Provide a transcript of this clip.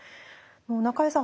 中江さん